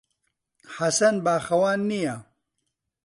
حەسەن باخەوان نییە.